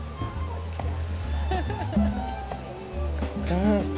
うん！